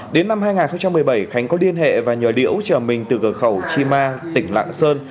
đến năm hai nghìn một mươi bảy khánh có điên hệ và nhờ liễu chờ mình từ cửa khẩu chima tỉnh lạng sơn